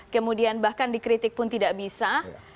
kemudian bahkan dikritik pun tidak bisa